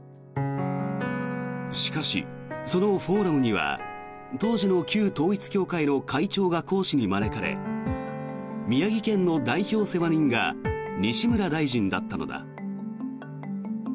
しかし、そのフォーラムには当時の旧統一教会の会長が講師に招かれ宮城県の代表世話人が西村大臣だったのだ。